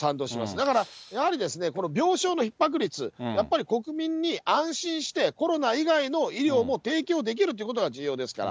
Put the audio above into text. だから、やはり、この病床のひっ迫率、やっぱり国民に安心してコロナ以外の医療も提供できるということが重要ですから。